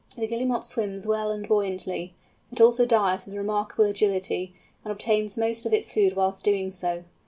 The Guillemot swims well and buoyantly; it also dives with remarkable agility, and obtains most of its food whilst doing so.